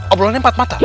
obrolannya empat mata